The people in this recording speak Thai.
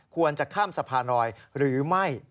ควรจะข้ามสะพานรอยหรือไม่